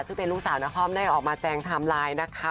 ซึ่งเป็นลูกสาวนครได้ออกมาแจงไทม์ไลน์นะคะ